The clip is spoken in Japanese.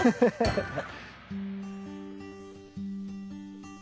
ハハハッ。